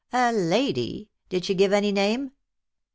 "A lady? Did she give any name?"